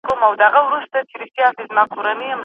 آیا ته د خپل هېواد په ارزښتونو پوهېږې؟